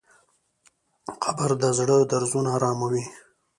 قبر د زړه درزونه اراموي.